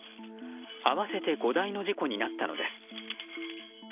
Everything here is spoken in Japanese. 合わせて５台の事故になったのです。